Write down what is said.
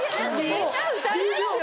みんな歌いますよ。